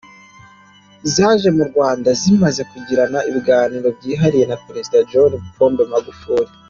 Zaje mu Rwanda zimaze kugirana ibiganiro byihariye na Perezida John Pombe Magufuli.